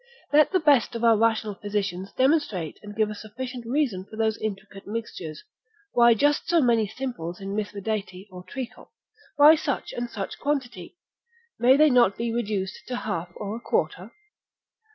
Let the best of our rational physicians demonstrate and give a sufficient reason for those intricate mixtures, why just so many simples in mithridate or treacle, why such and such quantity; may they not be reduced to half or a quarter?